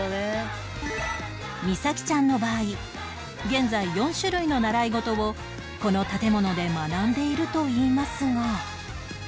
美紗姫ちゃんの場合現在４種類の習い事をこの建物で学んでいるといいますが